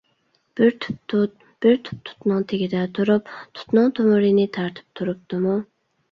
بىر تۈپ تۇت، بىر تۈپ تۇتنىڭ تېگىدە تۇرۇپ، تۇتنىڭ تۇمۇرىنى تارتىپ تۇرۇپتىمۇ؟